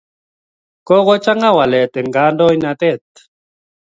Kokochang'a walet eng' kandoinatet.